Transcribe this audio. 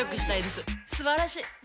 すばらしい！